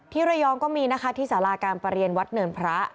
ระยองก็มีนะคะที่สาราการประเรียนวัดเนินพระ